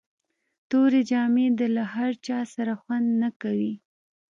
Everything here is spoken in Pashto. توري جامي د له هر چا سره خوند نه کوي.